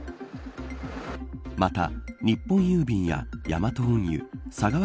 また日本郵便やヤマト運輸佐川